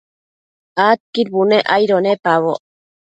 Adquid bunec aido nepaboc